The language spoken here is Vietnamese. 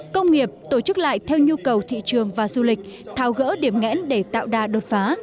công nghiệp tổ chức lại theo nhu cầu thị trường và du lịch thao gỡ điểm nghẽn để tạo đà đột phá